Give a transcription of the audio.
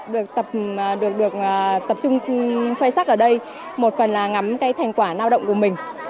được tập trung khoai sắc ở đây một phần là ngắm cái thành quả lao động của mình